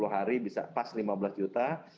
tiga puluh hari bisa pas lima belas juta